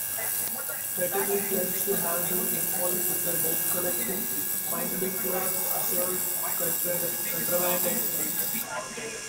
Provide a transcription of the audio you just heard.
Courtney claims to have been involved in debt-collecting, minding clubs, assault, contraband, and murder.